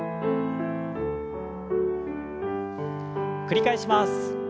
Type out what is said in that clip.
繰り返します。